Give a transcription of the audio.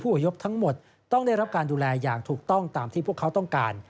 อยพทั้งหมดต้องได้รับการดูแลอย่างถูกต้องตามที่พวกเขาต้องการ